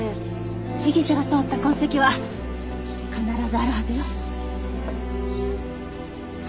被疑者が通った痕跡は必ずあるはずよ。